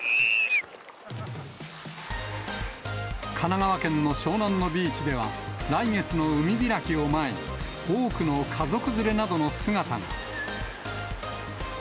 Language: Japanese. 神奈川県の湘南のビーチでは、来月の海開きを前に、多くの家族連れなどの姿が。